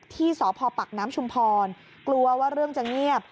ที่สพปักน้ำชุมพรกลัวว่าเรื่องจะเงียบ